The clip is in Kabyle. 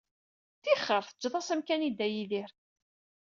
Tixer, teǧǧed-as amkan i Dda Yidir.